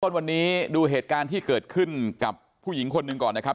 ต้นวันนี้ดูเหตุการณ์ที่เกิดขึ้นกับผู้หญิงคนหนึ่งก่อนนะครับ